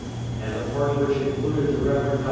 and a party which included the Rev. Dr.